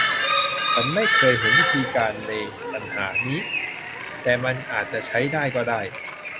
ฉันไม่เคยเห็นวิธีการนี้ในปัญหานี้ แต่มันอาจจะใช้ได้ก็ได้